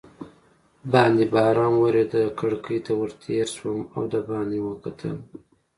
باندې باران ورېده، کړکۍ ته ور تېر شوم او دباندې مې وکتل.